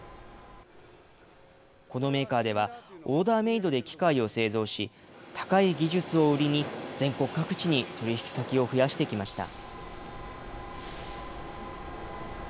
このメーカーでは、オーダーメードで機械を製造し、高い技術を売りに、全国各地に取り引き先を増やしてきました。